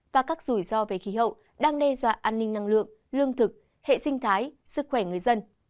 và các rủi ro về khí hậu đang đe dọa an ninh năng lượng lương thực hệ sinh thái sức khỏe người dân